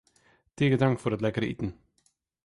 Tige tank foar it lekkere iten.